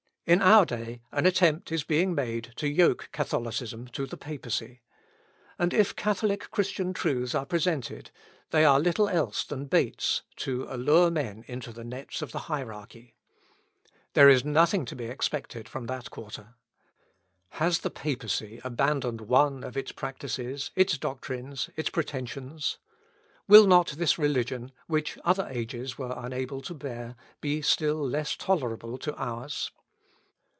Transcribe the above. In our day an attempt is made to yoke Catholicism to the Papacy; and if catholic Christian truths are presented, they are little else than baits to allure men into the nets of the hierarchy. There is nothing to be expected from that quarter. Has the papacy abandoned one of its practices, its doctrines, its pretensions? Will not this religion, which other ages were unable to bear, be still less tolerable to ours?